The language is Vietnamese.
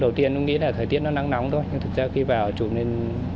đầu tiên cũng nghĩ là thời tiết nó nắng nóng thôi nhưng thực ra khi vào trụ nên